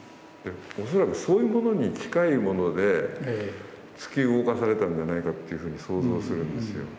恐らくそういうものに近いもので、突き動かされたんじゃないかと想像するんですよ。